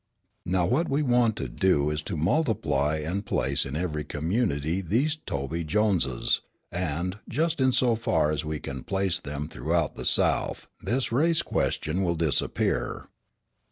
Now what we want to do is to multiply and place in every community these Tobe Joneses; and, just in so far as we can place them throughout the South this race question will disappear.